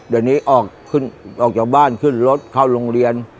เดี๋ยวนี้ออกจากบ้านขึ้นรถเข้าโรงเรียน